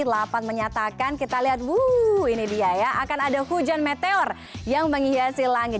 lapan menyatakan kita lihat wuh ini dia ya akan ada hujan meteor yang menghiasi langit